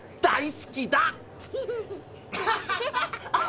大好きだ！